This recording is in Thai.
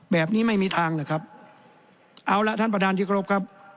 แบบนี้ไม่มีทางนะครับเอาละท่านประธานที่กรบครับ